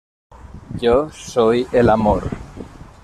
Yo soy el amor.